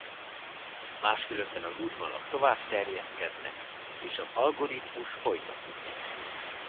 Máskülönben az útvonalak tovább terjeszkednek és az algoritmus folytatódik.